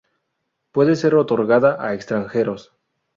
Puede ser otorgada a extranjeros.